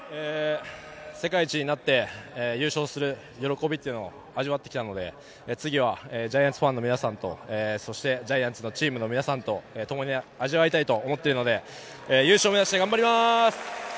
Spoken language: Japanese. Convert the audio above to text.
世界一になって優勝する喜びを味わってきたので、次はジャイアンツファンの皆さんとジャイアンツのチームの皆さんとともに味わいたいと思っているので、優勝目指して頑張ります！